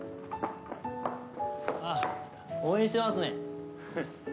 ああ応援してますね。